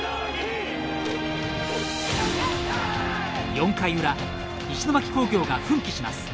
４回裏石巻工業が奮起します。